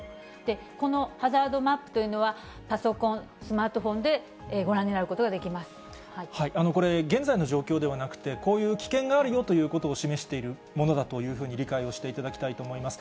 このハザードマップというのは、パソコン、スマートフォンでご覧これ現在の状況ではなくて、こういう危険があるよということを示しているものだというふうに理解をしていただきたいと思います。